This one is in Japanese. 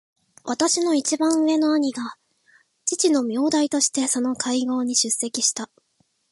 私の一番上の兄が父の名代としてその会合に出席した。